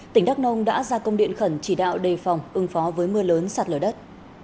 tỉnh đắk nông đã ra công điện khẩn chỉ đạo đề phòng ưng phó với mưa lớn sạt lở đất